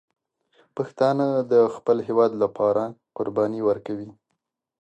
پښتانه د خپل هېواد لپاره قرباني ورکوي.